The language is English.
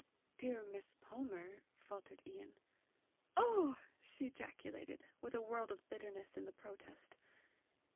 "Dear Miss Palmer, " faltered Ian. "Oh!" she ejaculated, with a world of bitterness in the protest.